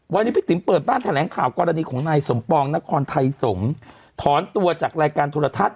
วันนี้พี่ติ๋มเปิดบ้านแถลงข่าวกรณีของนายสมปองนครไทยสงศ์ถอนตัวจากรายการโทรทัศน